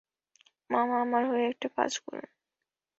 Ma'am আমার হয়ে একটা কাজ করুন।